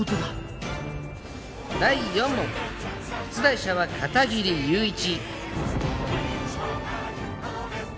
第４問出題者は片切友一。